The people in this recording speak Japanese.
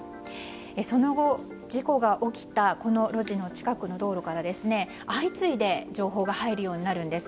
その後、事故が起きたこの路地の近くの道路から相次いで情報が入るようになるんです。